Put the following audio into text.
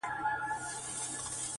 که مېرويس دی- که اکبر- که مسجدي دی-